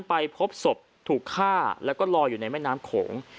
ไปพบศพถูกฆ่าแล้วก็ลอยอยู่ในแม่น้ำโขง